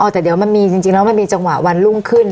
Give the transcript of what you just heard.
แต่เดี๋ยวมันมีจริงแล้วมันมีจังหวะวันรุ่งขึ้น